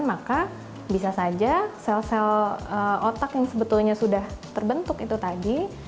maka bisa saja sel sel otak yang sebetulnya sudah terbentuk itu tadi